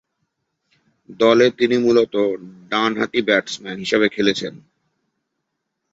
দলে তিনি মূলতঃ ডানহাতি ব্যাটসম্যান হিসেবে খেলেছেন।